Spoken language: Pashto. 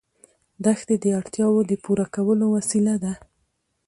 دښتې د اړتیاوو د پوره کولو وسیله ده.